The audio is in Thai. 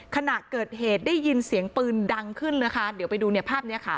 ขณะเกิดเหตุได้ยินเสียงปืนดังขึ้นนะคะเดี๋ยวไปดูเนี่ยภาพนี้ค่ะ